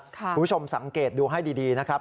คุณผู้ชมสังเกตดูให้ดีนะครับ